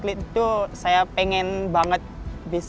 kalau ada atlet tuh saya pengen banget bisa dapat medali emas